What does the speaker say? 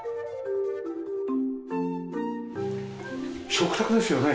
食卓ですよね？